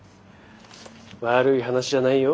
悪い話じゃないよ